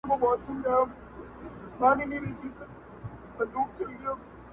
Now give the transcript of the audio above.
د پيل ورځ بيا د پرېکړې شېبه راځي ورو